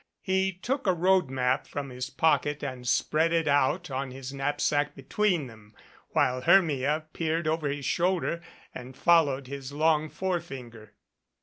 He took a road map from his pocket and spread it out on his knapsack between them, while Hermia peered over his shoulder and followed his long forefinger.